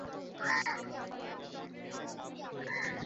তুই সবকিছু সামলে নিবি।